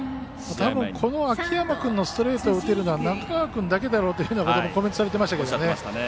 たぶん、秋山君のストレートを打てるのは中川君だけだろうというコメントされてましたけどね。